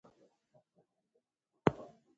Later, Marr claimed that he had unjustly lost his job.